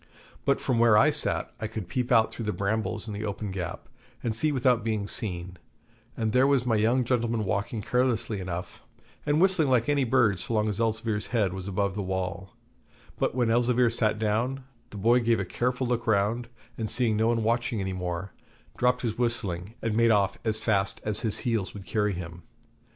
But from where I sat I could peep out through the brambles in the open gap, and see without being seen and there was my young gentleman walking carelessly enough, and whistling like any bird so long as Elzevir's head was above the wall; but when Elzevir sat down, the boy gave a careful look round, and seeing no one watching any more, dropped his whistling and made off as fast as heels would carry him.